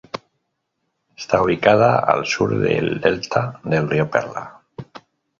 Está ubicada al sur del Delta del Río Perla.